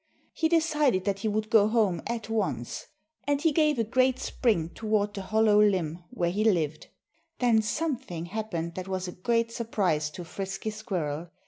He decided that he would go home at once. And he gave a great spring toward the hollow limb where he lived. Then something happened that was a great surprise to Frisky Squirrel.